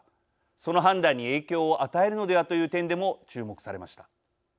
その判断に影響を与えるのではという点でも注目されました。